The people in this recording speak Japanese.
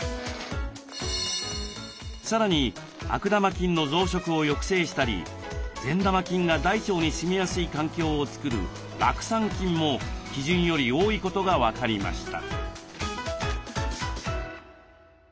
さらに悪玉菌の増殖を抑制したり善玉菌が大腸にすみやすい環境を作る酪酸菌も基準より多いことが分かりました。